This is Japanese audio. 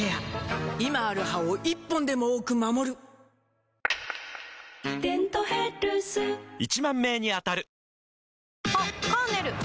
今ある歯を１本でも多く守る「デントヘルス」１０，０００名に当たる！